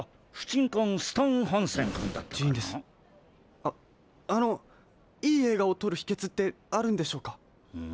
あっあのいいえいがをとるひけつってあるんでしょうか？